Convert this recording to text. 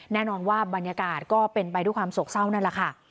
แน่นอนว่าบรรยากาศก็เป็นไปด้วยความโศกเศร้านั่นแหละค่ะ